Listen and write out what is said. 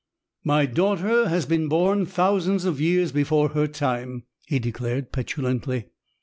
"My daughter has been born thousands of years before her time," he declared, petulantly.